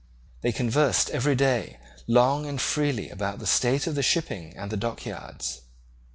They conversed every day long and freely about the state of the shipping and the dock yards.